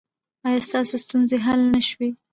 ایا ستاسو ستونزې حل نه شوې؟